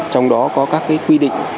trong đó có các quy định